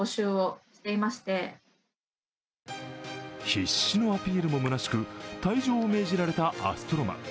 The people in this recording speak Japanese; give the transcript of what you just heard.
必死のアピールもむなしく、退場を命じられたアストロマン。